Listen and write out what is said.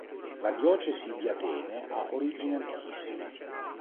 La diocesi di Atene ha origini antichissime.